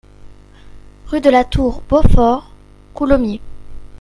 Rue de la Tour Beaufort, Coulommiers